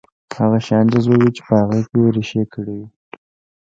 هغه شيان جذبوي چې په هغه کې يې رېښې کړې وي.